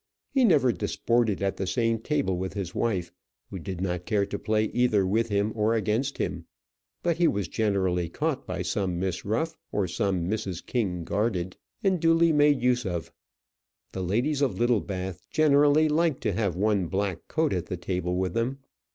He never disported at the same table with his wife, who did not care to play either with him or against him; but he was generally caught by some Miss Ruff, or some Mrs. King Garded, and duly made use of. The ladies of Littlebath generally liked to have one black coat at the table with them.